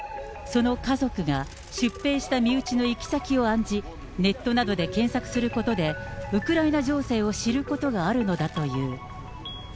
その家族が出兵した身内の行き先を案じ、ネットなどで検索することで、ウクライナ情勢を知ることがあるのだという。